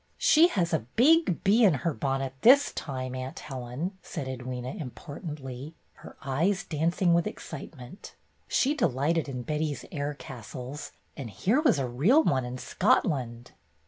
"She has a big bee in her bonnet this time. Aunt Helen," said Edwyna, importantly, her eyes dancing with excitement. She delighted in Betty's air castles, and here was a real one in Scotland.